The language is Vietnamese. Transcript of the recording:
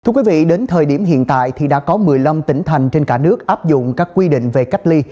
thưa quý vị đến thời điểm hiện tại thì đã có một mươi năm tỉnh thành trên cả nước áp dụng các quy định về cách ly